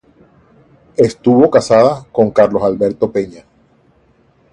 Estuvo casada con Carlos Alberto Peña.